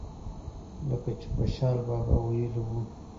لکه چې خوشحال بابا وئيلي وو۔